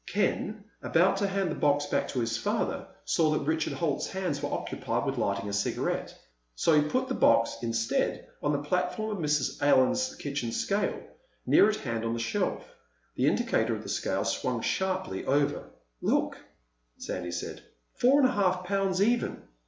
Ken, about to hand the box back to his father, saw that Richard Holt's hands were occupied with lighting a cigarette. So he put the box, instead, on the platform of Mrs. Allen's kitchen scale, near at hand on the shelf. The indicator of the scale swung sharply over. "Look," Sandy said. "Four and a half pounds even.